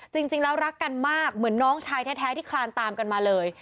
จริงแล้วรักกันมากเหมือนน้องชายแท้ที่คลานตามกันมาเลย